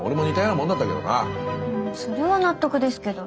うんそれは納得ですけど。